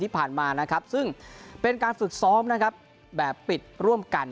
ที่ผ่านมานะครับซึ่งเป็นการฝึกซ้อมนะครับแบบปิดร่วมกัน